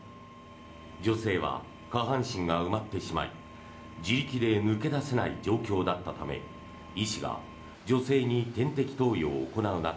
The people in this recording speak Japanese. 女性は下半身が埋まってしまい自力で抜け出せない状況だったため医師が女性に点滴投与を行う中